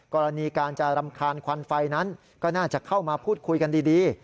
กรณีการจะรำคาญควันไฟนั้นก็น่าจะเข้ามาพูดคุยกันดี